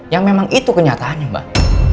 yang memang itu kenyataannya mbak